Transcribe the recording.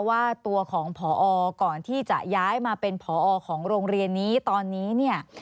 ว่าตัวของพอก่อนที่จะย้ายมาเป็นผอของโรงเรียนนี้ตอนนี้เนี่ย